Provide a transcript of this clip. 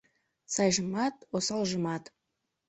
Сайжымат, осалжымат.